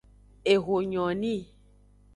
Eho nyo ni.